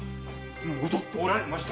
戻っておられましたか。